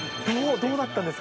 どうだったんですか？